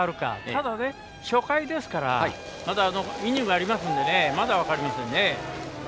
ただ、まだ初回ですからイニングはありますのでまだ分かりませんね。